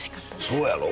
そうやろ？